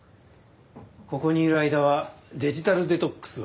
ここにいる間はデジタルデトックスを。